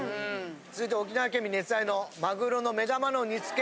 続いては沖縄県民熱愛のマグロの目玉の煮付け。